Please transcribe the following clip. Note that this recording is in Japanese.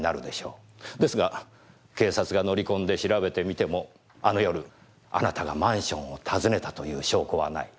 ですが警察が乗り込んで調べてみてもあの夜あなたがマンションを訪ねたという証拠はない。